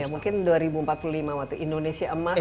mungkin dua ribu empat puluh lima waktu indonesia emas